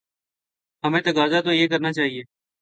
ہمیں تقاضا تو یہ کرنا چاہیے۔